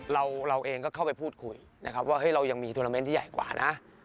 เราเองก็เข้าไปพูดคุยนะครับว่าเฮ้ยเรายังมีโทรเมนต์ที่ใหญ่กว่านะ